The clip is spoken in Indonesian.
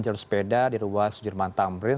jalur sepeda di ruas jerman tambrin